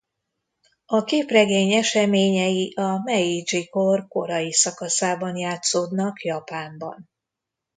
A képregény eseményei a Meidzsi-kor korai szakaszában játszódnak Japánban.